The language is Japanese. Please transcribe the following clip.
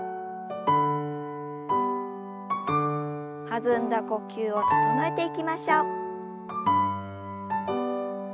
弾んだ呼吸を整えていきましょう。